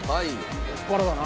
ここからだな。